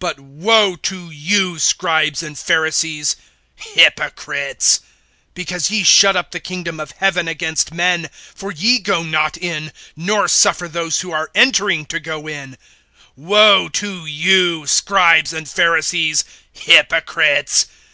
(13)But woe to you, scribes and Pharisees, hypocrites! because ye shut up the kingdom of heaven against men; for ye go not in, nor suffer those who are entering to go in[23:13]: (15)Woe to you, scribes and Pharisees, hypocrites!